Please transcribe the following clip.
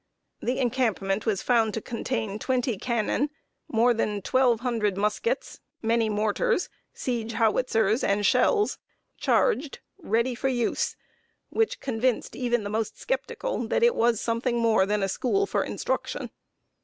The encampment was found to contain twenty cannon, more than twelve hundred muskets, many mortars, siege howitzers, and shells, charged ready for use which convinced even the most skeptical that it was something more than a school for instruction.